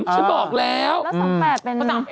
ฉันบอกแล้วอืมแล้ว๒๘เป็นแล้ว๒๘เป็น